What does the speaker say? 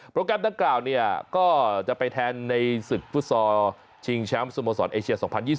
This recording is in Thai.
โปรแกรมดังกล่าวเนี่ยก็จะไปแทนในศิษย์ฟุตซอลชิงช้ำสมสอสเอเชีย๒๐๒๐